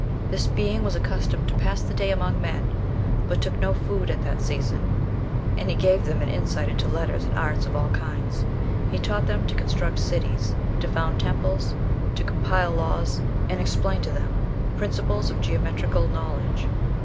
This being was accustomed to pass the day among men, but took no food at that season, and he gave them an insight into letters and arts of all kinds. He taught them to construct cities, to found temples, to compile laws, and explained to them the principles of geometrical knowledge.